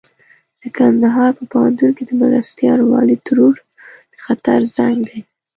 د کندهار په پوهنتون کې د مرستيال والي ترور د خطر زنګ دی.